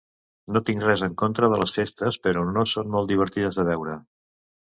No tinc res en contra de les festes, però no són molt divertides de veure.